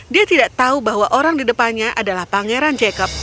dia tidak tahu bahwa orang di depannya adalah pangeran jacob